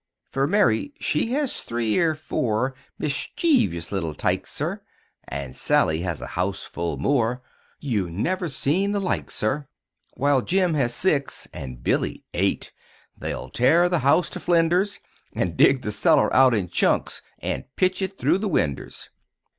Fer Mary she has three 'r four Mis_chee_vous little tykes, sir, An' Sally has a houseful more You never seen the like, sir; While Jim has six, an' Billy eight They'll tear the house to flinders, An' dig the cellar out in chunks An' pitch it through the winders.